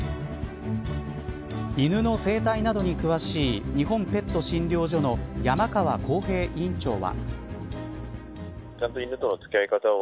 犬の生態などに詳しい日本ペット診療所の山川晃平院長は。